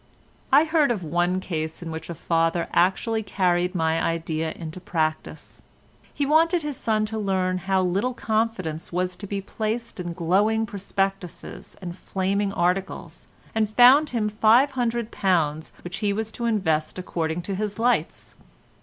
I heard of one case in which a father actually carried my idea into practice. He wanted his son to learn how little confidence was to be placed in glowing prospectuses and flaming articles, and found him five hundred pounds which he was to invest according to his lights.